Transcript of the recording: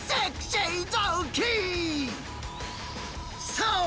そう！